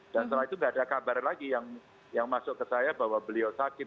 dan setelah itu tidak ada kabar lagi yang masuk ke saya bahwa beliau sakit